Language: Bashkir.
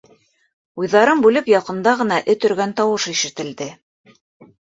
Уйҙарын бүлеп, яҡында ғына эт өргән тауыш ишетелде.